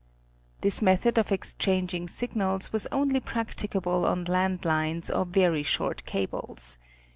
This method of exchanging signals was only practicable on land lines or very short cables.